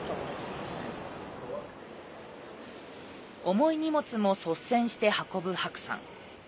重い荷物も率先して運ぶ白さん。